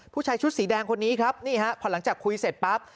ผู้ชายชุดสีแดงคนนี้ครับนี่ฮะพอหลังจากคุยเสร็จปั๊บ